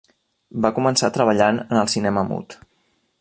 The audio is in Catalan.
Va començar treballant en el cinema mut.